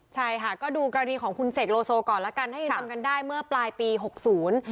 ใช่ค่ะก็ดูกรณีของคุณเสกโลโซก่อนแล้วกันถ้ายังจำกันได้เมื่อปลายปีหกศูนย์